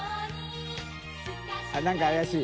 △何か怪しい。